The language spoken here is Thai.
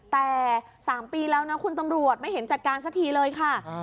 แต่๓ปีแล้วนะคุณตำรวจไม่เห็นจัดการสักทีเลยค่ะ